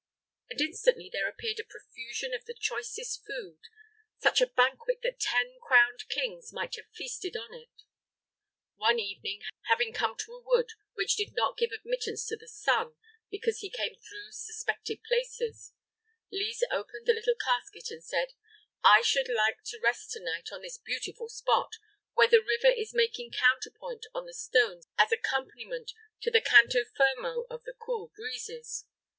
And instantly there appeared a profusion of the choicest food; such a banquet that ten crowned kings might have feasted on it. One evening, having come to a wood, which did not give admittance to the sun, because he came through suspected places, Lise opened the little casket and said: "I should like to rest tonight on this beautiful spot, where the river is making counterpoint on the stones as accompaniment to the canto fermo of the cool breezes."